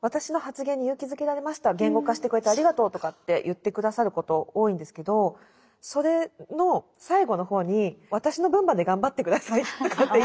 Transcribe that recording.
「言語化してくれてありがとう」とかって言って下さること多いんですけどそれの最後の方に「私の分まで頑張って下さい」とかっていうような。